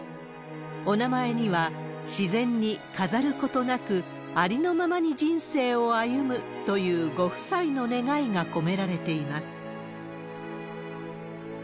お名前には、自然に飾ることなく、ありのままに人生を歩むという、ご夫妻の願いが込められています。